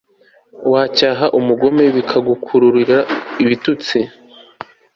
wacyaha umugome bikagukururira ibitutsi